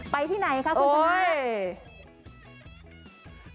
ไปที่ไหนค่ะคุณธนา